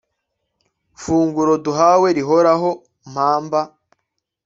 r/ funguro duhawe rihoraho, mpamba